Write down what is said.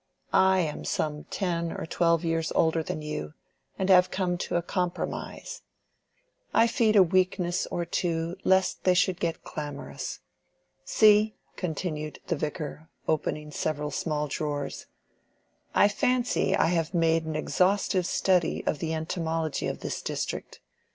I am some ten or twelve years older than you, and have come to a compromise. I feed a weakness or two lest they should get clamorous. See," continued the Vicar, opening several small drawers, "I fancy I have made an exhaustive study of the entomology of this district.